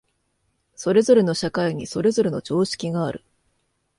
それぞれの社会にそれぞれの常識がある。